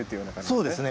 そうですね。